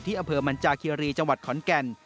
ที่อเผอมันจากเฮียรีจังหวัดขอนแก่น